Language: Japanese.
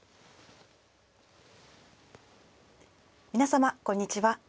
皆様こんにちは。